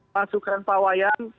masukan pak wayan